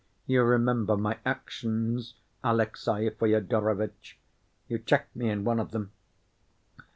You remember my actions, Alexey Fyodorovitch; you checked me in one of them"